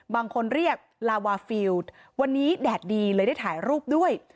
บางคนเรียกลาวาฟิลวันนี้แดดดีเลยได้ถ่ายรูปด้วย